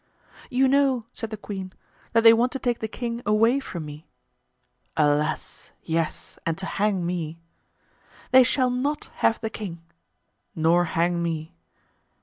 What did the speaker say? "You know," said the queen, "that they want to take the king away from me?" "Alas! yes, and to hang me." "They shall not have the king." "Nor hang me."